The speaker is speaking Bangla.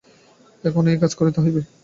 এখন এই কাজ করিতেই হইবে।